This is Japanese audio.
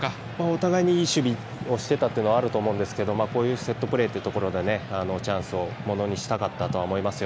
お互いにいい守備をしていたというのはあったと思いますけどこういうセットプレーでチャンスをものにしたかったと思います。